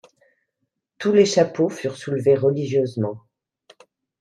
Tous les chapeaux furent soulevés religieusement.